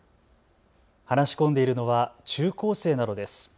話し込んでいるのは中高生などです。